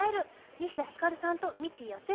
西田ひかるさんと未知やすえ